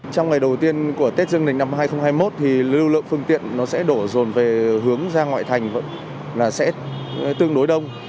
trong ngày đầu tiên của tết dương lịch năm hai nghìn hai mươi một lượng phương tiện sẽ đổ dồn về hướng ra ngoại thành sẽ tương đối đông